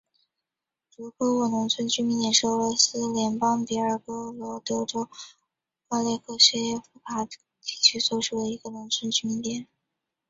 茹科沃农村居民点是俄罗斯联邦别尔哥罗德州阿列克谢耶夫卡区所属的一个农村居民点。